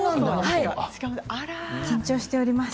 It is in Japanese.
緊張しております。